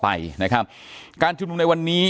อย่างที่บอกไปว่าเรายังยึดในเรื่องของข้อ